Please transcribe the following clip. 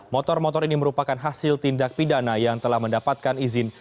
motor motor ini merupakan hasil tindak pidana yang telah mendapatkan izin